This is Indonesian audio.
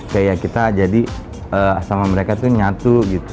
kayak kita jadi sama mereka tuh nyatu gitu